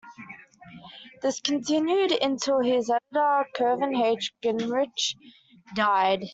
This continued until his editor, Curvin H. Gingrich, died.